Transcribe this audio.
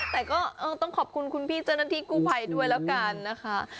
แต่ก็ต้องขอบคุณคุณพี่เจ้าหน้าที่กู้ภัยด้วยแล้วกันนะคะ